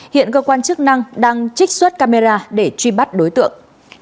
hiện cơ quan chức năng đang trích xuất camera để truy bắt đối tượng